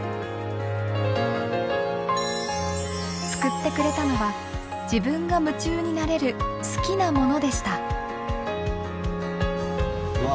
救ってくれたのは自分が夢中になれる好きなものでした。